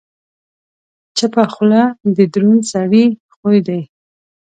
چپه خوله، د دروند سړي خوی دی.